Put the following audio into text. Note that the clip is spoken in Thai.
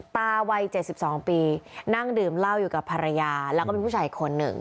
ตาวัย๗๒ปีนั่งดื่มเหล้าอยู่กับภรรยาแล้วก็เป็นผู้ชายอีกคนหนึ่ง